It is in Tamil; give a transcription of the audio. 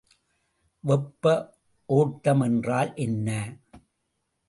வெப்ப ஓட்டம் என்றால் என்ன?